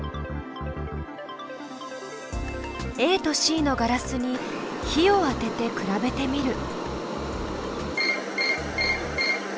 ＡとＣのガラスに火を当てて比べてみる。